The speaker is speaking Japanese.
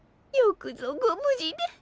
よくぞご無事で。